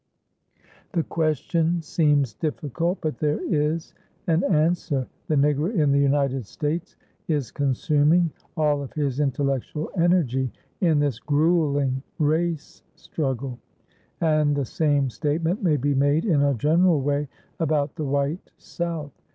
The question seems difficult, but there is an answer. The Negro in the United States is consuming all of his intellectual energy in this gruelling race struggle. And the same statement may be made in a general way about the white South.